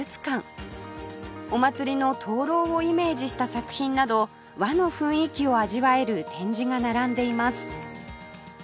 お祭りの灯籠をイメージした作品など和の雰囲気を味わえる展示が並んでいます